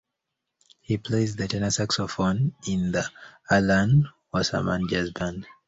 He plays the tenor saxophone in the Alan Wasserman Jazz Band.